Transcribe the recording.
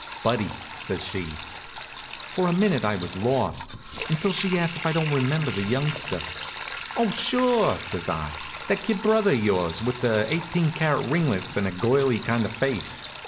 "Buddy," says she. For a minute I was lost, until she asks if I don't remember the youngster. "Oh, sure!" says I. "That kid brother of yours, with the eighteen karat ringlets and a girly kind of face?